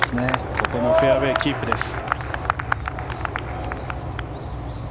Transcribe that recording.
ここもフェアウェーキープです。